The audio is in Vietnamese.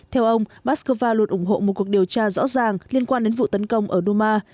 theo ông baskova luôn ủng hộ một cuộc điều tra rõ ràng liên quan đến vụ tấn công ở đu ma